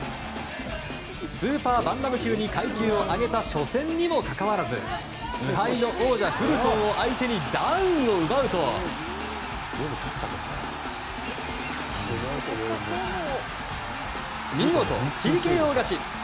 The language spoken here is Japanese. スーパーバンタム級に階級を上げた初戦にもかかわらず無敗の王者フルトンを相手にダウンを奪うと見事、ＴＫＯ勝ち。